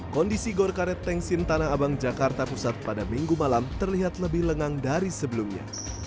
kondisi gor karet tengsin tanah abang jakarta pusat pada minggu malam terlihat lebih lengang dari sebelumnya